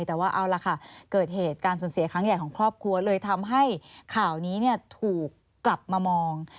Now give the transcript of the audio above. แต่ว่าเอาล่ะค่ะเกิดเหตุการณ์สูญเสียครั้งใหญ่ของครอบครัวเลยทำให้ข่าวนี้ถูกกลับมามอง